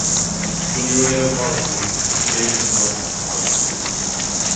Cornelia Weihe lives and works in Halle.